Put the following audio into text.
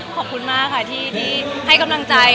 ขอบคุณมากค่ะที่ให้กำลังใจ